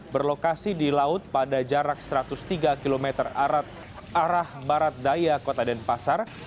berlokasi di laut pada jarak satu ratus tiga km arah barat daya kota denpasar